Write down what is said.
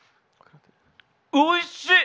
おいしい！